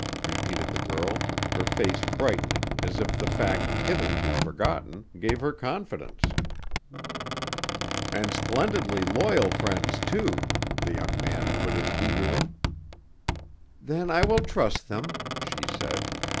repeated the girl, her face brightening as if the fact, hitherto forgotten, gave her confidence. "And splendidly loyal friends too," the young man put in eagerly. "Then I will trust them," she said.